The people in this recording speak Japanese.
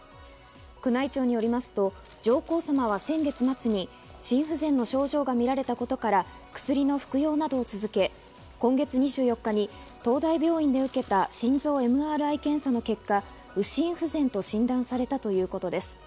宮内庁によりますと上皇さまは先月末に心不全の症状が見られたことから薬の服用などを続け、今月２４日に東大病院で受けた心臓ＭＲＩ検査の結果、右心不全と診断されたということです。